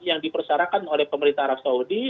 yang dipersarakan oleh pemerintah arab saudi